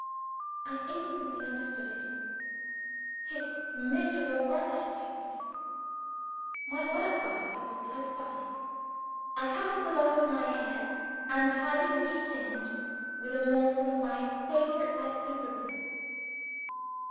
I instantly understood him. His miserable brother had taken it. My work basket was close by. I cut off a lock of my hair, and tied it at each end with a morsel of my favorite light blue ribbon.